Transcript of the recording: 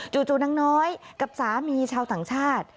นางน้อยกับสามีชาวต่างชาติ